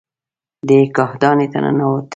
دی کاهدانې ته ننوت.